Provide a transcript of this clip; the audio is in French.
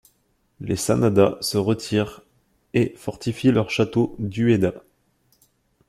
Les Sanada se retirent et fortifient leur château d'Ueda.